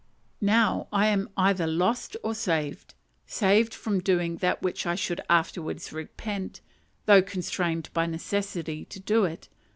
Now am I either lost or saved! saved from doing that which I should afterwards repent, though constrained by necessity to do it.